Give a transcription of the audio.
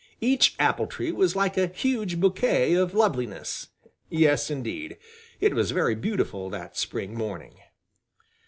Each apple tree was like a huge bouquet of loveliness. Yes, indeed, it was very beautiful that spring morning.